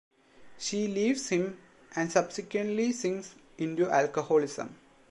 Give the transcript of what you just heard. She leaves him, and subsequently sinks into alcoholism.